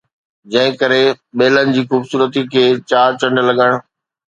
جنهن ڪري ٻيلن جي خوبصورتي کي چار چنڊ لڳن